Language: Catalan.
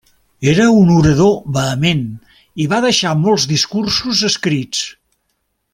Era un orador vehement i va deixar molts discursos escrits.